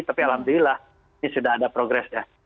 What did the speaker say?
tapi alhamdulillah ini sudah ada progres ya